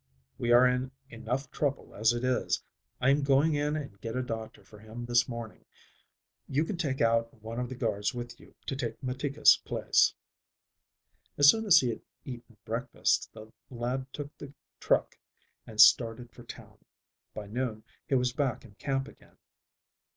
"We are in enough trouble as it is. I am going in and get a doctor for him this morning. You can take out one of the guards with you to take Meticas' place." As soon as he had eaten breakfast, the lad took the truck and started for town. By noon he was back in camp again.